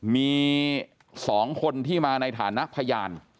มี๒คนที่มาในฐานะพยาน